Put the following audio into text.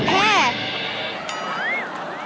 แค่